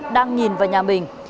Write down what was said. đang nhìn vào nhà mình